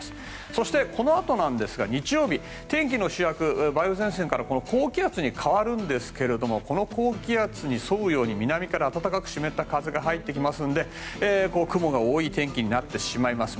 そして、このあと日曜日天気の主役、梅雨前線から高気圧に変わるんですけれどもこの高気圧に沿うように南から暖かく湿った風が入るので雲が多い天気になってしまいます。